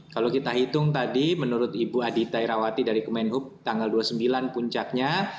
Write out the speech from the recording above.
kalau kita hitung tadi menurut ibu adita irawati dari kemenhub tanggal dua puluh sembilan puncaknya